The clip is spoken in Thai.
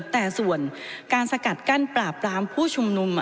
แต่ส่วนการสกัดกั้นปราบปรามผู้ชุมนุม